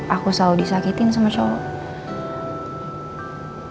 aku selalu disakitin sama allah